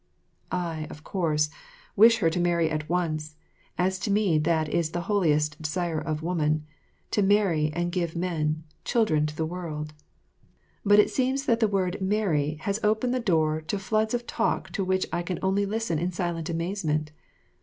I, of course, wish her to marry at once; as to me that is the holiest desire of woman to marry and give men children to the world; but it seems that the word "marry" has opened the door to floods of talk to which I can only listen in silent amazement.